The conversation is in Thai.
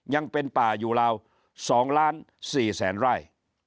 ยังเป็นป่าอยู่ราว๒ล้าน๔แสนไร่